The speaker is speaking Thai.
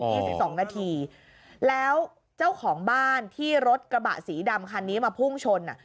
ี่สิบสองนาทีแล้วเจ้าของบ้านที่รถกระบะสีดำคันนี้มาพุ่งชนอ่ะ